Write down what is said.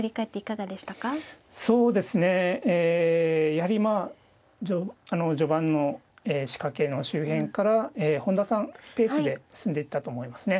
やはりまあ序盤の仕掛けの周辺から本田さんペースで進んでいったと思いますね。